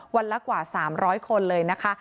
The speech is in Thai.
วันละกว่า๓๐๐คนเลยนะคะ